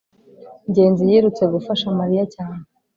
ngenzi yirutse gufasha mariya cyane